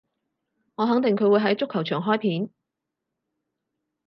我肯定佢會喺足球場開片